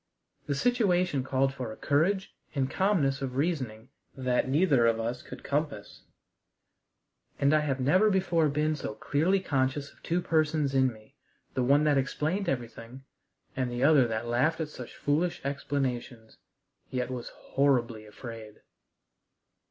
The situation called for a courage and calmness of reasoning that neither of us could compass, and I have never before been so clearly conscious of two persons in me the one that explained everything, and the other that laughed at such foolish explanations, yet was horribly afraid.